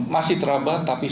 masih terabah tapi